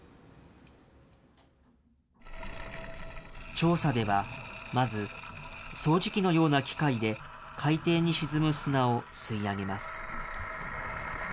調査では、まず掃除機のような機械で、海底に沈む砂を吸い上げます。